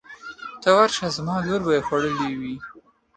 ته ورشه زما لور به یې خوړلې وي.